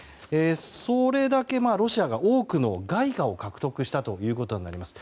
それだけロシアが多くの外貨を獲得したということになります。